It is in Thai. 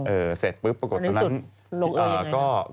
เออเสร็จปุ๊บปรากฏตอนนั้นในสุดลงไอยังไง